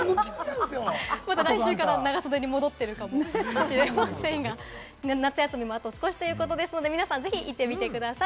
また来週から長袖に戻ってるかもしれませんが、夏休みもあと少しということですので、皆さん行ってみてください。